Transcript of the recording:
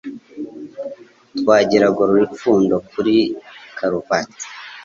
Twagira agorora ipfundo kuri karuvati.